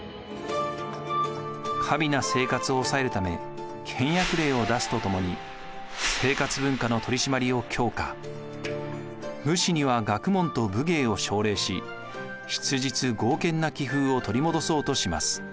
華美な生活を抑えるため倹約令を出すとともに武士には学問と武芸を奨励し質実剛健な気風を取り戻そうとします。